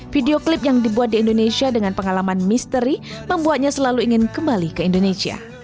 video klip yang dibuat di indonesia dengan pengalaman misteri membuatnya selalu ingin kembali ke indonesia